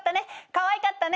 かわいかったね？